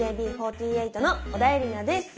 ＡＫＢ４８の小田えりなです。